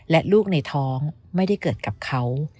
และลูกในท้องไม่ได้เกิดกับเขา